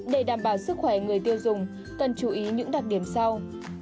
để đảm bảo sức khỏe người tiêu dùng cần chú ý những đặc điểm sau